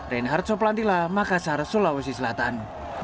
reinhard soplantila makassar sulawesi selatan